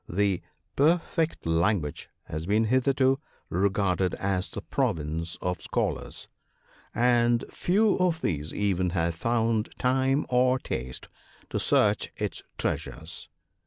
The "perfect language" has been hitherto re garded as the province of Scholars, and few of these even have found time or taste to search its treasures.